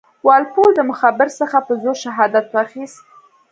وال پول د مخبر څخه په زور شهادت واخیست.